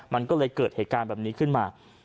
มันก็เลยเกิดเหตุการณ์แบบนี้ขึ้นมา